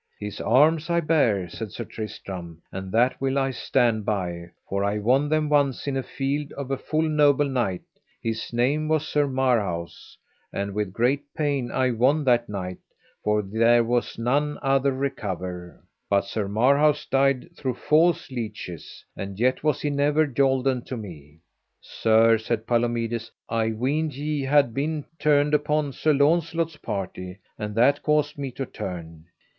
His arms I bare, said Sir Tristram, and that will I stand by, for I won them once in a field of a full noble knight, his name was Sir Marhaus; and with great pain I won that knight, for there was none other recover, but Sir Marhaus died through false leeches; and yet was he never yolden to me. Sir, said Palomides, I weened ye had been turned upon Sir Launcelot's party, and that caused me to turn.